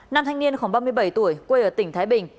nam thanh niên khoảng ba mươi bảy tuổi quê ở tỉnh thái bình